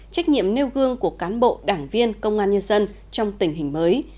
trách nhiệm nêu gương của cán bộ đảng viên công an nhân dân trong tình hình mới